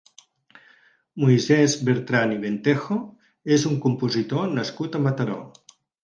Moisès Bertran i Ventejo és un compositor nascut a Mataró.